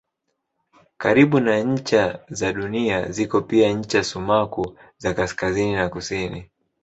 Karibu na ncha za Dunia ziko pia ncha sumaku za kaskazini na kusini.